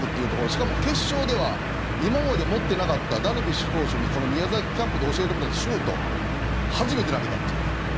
しかも、決勝では今まで持ってなかったダルビッシュ投手に宮崎キャンプで教えてもらったシュート初めて投げたっていう。